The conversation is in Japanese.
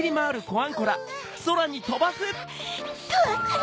コアンコラ！